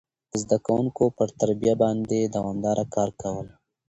د زده کوونکو پر تربيه باندي دوامداره کار کول،